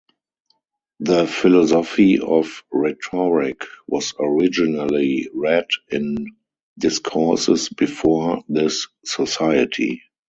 "The Philosophy of Rhetoric" was originally read in discourses before this Society.